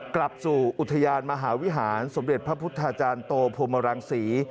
กลับสู่อุทยานมหาวิหารสมเด็จพระพุทธาจารย์โตพรมรังศรี